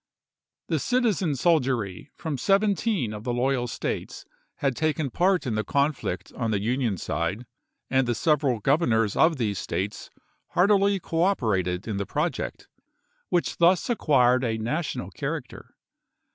The citizen soldiery from seventeen of the loyal States had taken part in the conflict on the Union side, and the several Governors of these States heartily cooperated in the project, which thus acquired a National character.